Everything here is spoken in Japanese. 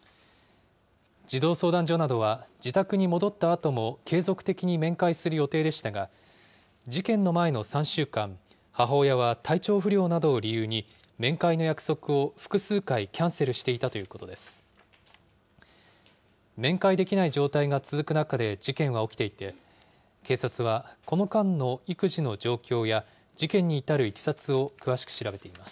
児童相談所などは、自宅に戻ったあとも継続的に面会する予定でしたが、事件の前の３週間、母親は体調不良などを理由に、面会の約束を複数回、キャンセルしていたということです。